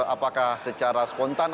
apakah secara spontan